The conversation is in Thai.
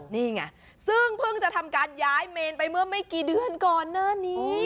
นี่ไงซึ่งเพิ่งจะทำการย้ายเมนไปเมื่อไม่กี่เดือนก่อนหน้านี้